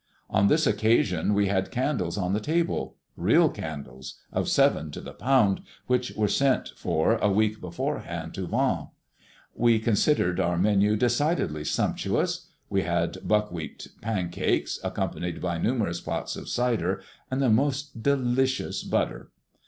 On this occasion we had candles on the table, real candles, of seven to the pound, which were sent for a week beforehand to Vannes. We considered our menu decidedly sumptuous. We had buckwheat pancakes, accompanied by numerous pots of cider and the most delicious butter.